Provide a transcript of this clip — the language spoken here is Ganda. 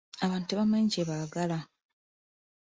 Abantu tebamanyi kye baagala.